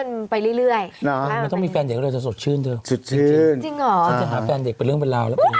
ล่าสุดก็มีแฟนเด็กด้วยยังไม่เลิกนะ